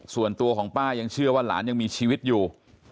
ส่วนตัวของป้ายังเชื่อว่าหลานยังมีชีวิตอยู่